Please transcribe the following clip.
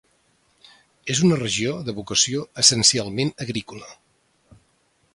És una regió de vocació essencialment agrícola.